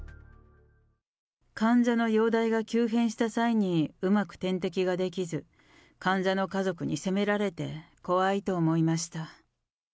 患者の容体が急変した際にうまく点滴ができず、患者の家族に責められて怖いと思いました。